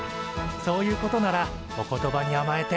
そういうことならお言葉にあまえて。